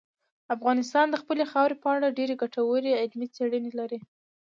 افغانستان د خپلې خاورې په اړه ډېرې ګټورې علمي څېړنې لري.